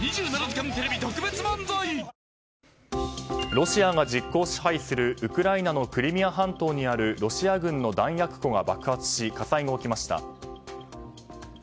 ロシアが実効支配するウクライナのクリミア半島にあるロシア軍の弾薬庫が爆発し、火災が起きました。